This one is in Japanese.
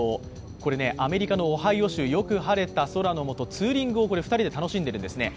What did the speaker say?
これね、アメリカのオハイオ州よく晴れた空のもと、ツーリングをする、２人で楽しんでるんですね。